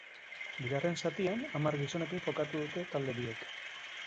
Bigarren zatian hamar gizonekin jokatu dute talde biek.